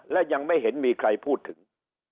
และยังไม่เห็นมีใครพูดถึง